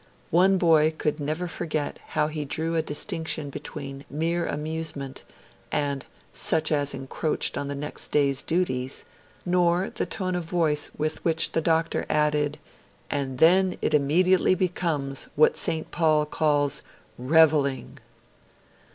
One boy could never forget how he drew a distinction between 'mere amusement' and 'such as encroached on the next day's duties', nor the tone of voice with which the Doctor added 'and then it immediately becomes what St. Paul calls REVELLING'.